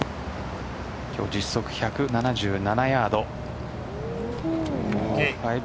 今日、実測１７７ヤード。